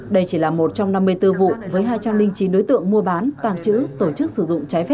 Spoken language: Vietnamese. đây chỉ là một trong năm mươi bốn vụ với hai trăm linh chín đối tượng mua bán tàng trữ tổ chức sử dụng trái phép